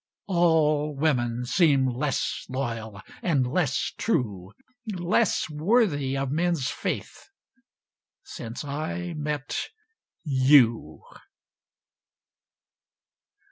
All women seem less loyal and less true, Less worthy of men's faith since I met you.